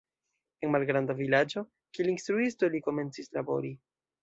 En malgranda vilaĝo kiel instruisto li komencis labori.